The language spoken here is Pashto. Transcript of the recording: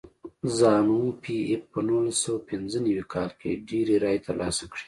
زانو پي ایف په نولس سوه پنځه نوي کال کې ډېرې رایې ترلاسه کړې.